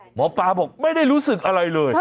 หมอปลาบอกไม่ได้รู้สึกอะไรเลย